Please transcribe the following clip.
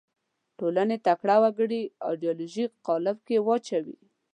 ټولنې تکړه وګړي ایدیالوژیک قالب کې واچوي